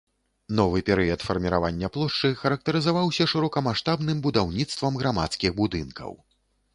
Новы перыяд фарміравання плошчы, характарызаваўся шырокамаштабным будаўніцтвам грамадскіх будынкаў.